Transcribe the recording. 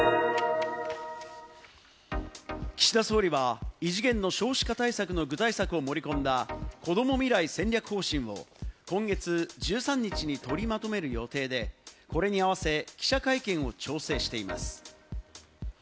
岸田総理は、異次元の少子化対策の具体策を盛り込んだ、こども未来戦略方針を今月１３日に取りまとめる予定で、これに合わせ記者会見を調整しています。